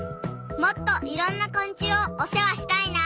もっといろんなこん虫をおせわしたいな！